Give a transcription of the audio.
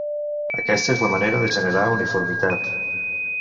Aquesta és la manera de generar uniformitat.